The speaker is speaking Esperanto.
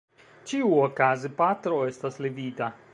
Ĉiuokaze, Patro estas livida.